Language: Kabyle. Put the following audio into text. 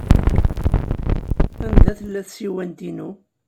Anda tella tsiwant-inu?